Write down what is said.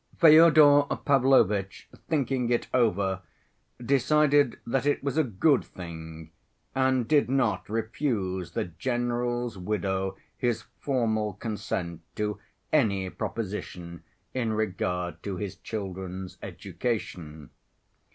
Fyodor Pavlovitch, thinking it over, decided that it was a good thing, and did not refuse the general's widow his formal consent to any proposition in regard to his children's education.